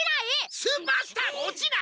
スーパースターも落ちない！